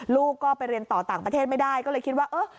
ลูกก็ไปเรียนต่อต่างประเทศไม่ได้ก็เลยคิดว่าเออ